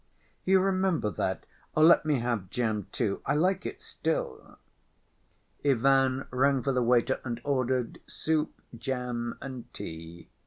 "You remember that? Let me have jam too, I like it still." Ivan rang for the waiter and ordered soup, jam and tea.